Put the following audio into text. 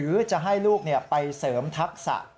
หรือจะให้ลูกไปเสริมทักษะ